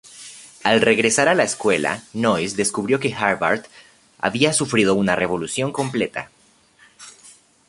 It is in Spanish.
Al regresar a la escuela, Noyes descubrió que Harvard había sufrido una revolución completa.